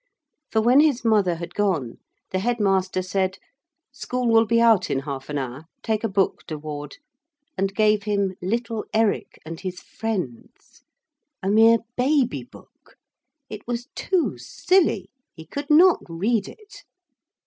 For when his mother had gone the Headmaster said: 'School will be out in half an hour; take a book, de Ward,' and gave him Little Eric and his Friends, a mere baby book. It was too silly. He could not read it.